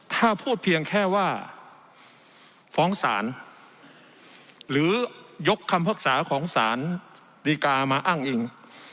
ถ้าพูดเพียงแค่ว่าฟ้องศาลหรือยกคำพิพากษาของสารดีกามาอ้างอิง